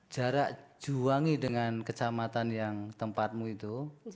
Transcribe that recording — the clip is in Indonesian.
jarak juwangi dengan kecamatan yang tempatmu itu